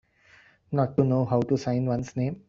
Not to know how to sign one's name.